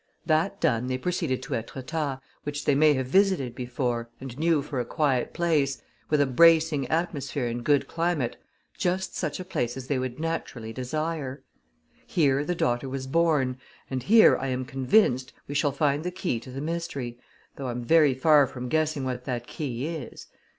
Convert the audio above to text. That done, they proceeded to Etretat, which they may have visited before, and knew for a quiet place, with a bracing atmosphere and good climate just such a place as they would naturally desire. Here, the daughter was born, and here, I am convinced, we shall find the key to the mystery, though I'm very far from guessing what that key is.